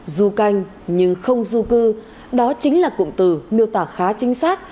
du canh nhưng không du cư đó chính là cụm từ miêu tả khá chính xác